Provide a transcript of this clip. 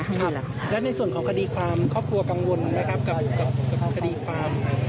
แล้วในส่วนของคดีความครอบครัวกังวลไหมครับการอยู่กับคดีความ